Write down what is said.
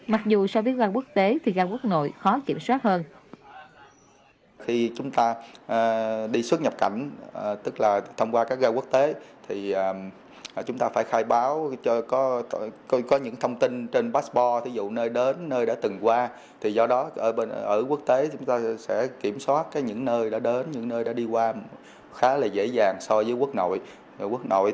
mặc dù so với ga quốc tế thì ga quốc nội khó kiểm soát hơn